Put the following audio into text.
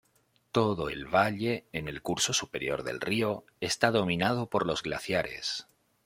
Todo el valle, en el curso superior del río, está dominado por los glaciares.